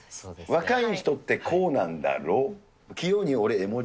若い人ってこうなんだろ？